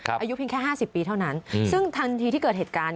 อายุเพียงแค่๕๐ปีเท่านั้นซึ่งทันทีที่เกิดเหตุการณ์